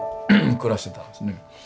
暮らしてたんですね。